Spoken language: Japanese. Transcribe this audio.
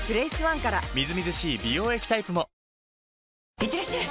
いってらっしゃい！